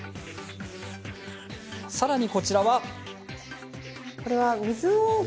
さらに、こちらは。